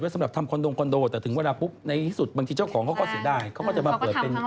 เพื่อสำหรับทำคอนโดแต่ถึงเวลาปุ๊บในที่สุดบางทีเจ้าของเขาก็เสียดาย